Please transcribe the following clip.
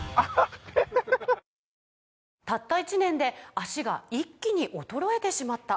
「たった１年で脚が一気に衰えてしまった」